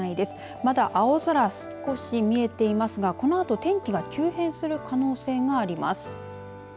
まだ青空が少し見えていますがこのあと天気が急変する可能性があります。